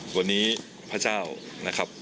วันนี้พระเจ้านะครับ